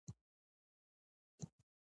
دا د پانګې جوړښت په موخه کوي.